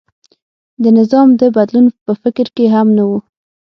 د نظام د بدلون په فکر کې هم نه و.